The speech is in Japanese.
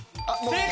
正解！